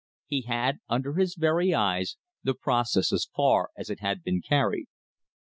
He had under his very eyes the process as far as it had been carried.